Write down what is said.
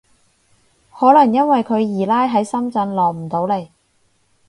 可能因為佢二奶喺深圳落唔到嚟